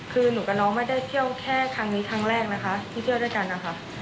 คือหนูกับน้องไม่ได้เที่ยวแค่ครั้งนี้ครั้งแรกนะคะที่เที่ยวด้วยกันนะคะ